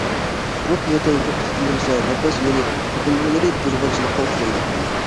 قۇرۇق يۆتەل توختىتىلمىسا، نەپەس يولى توقۇلمىلىرى بۇزغۇنچىلىققا ئۇچرايدۇ.